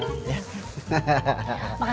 makasih ya bang ya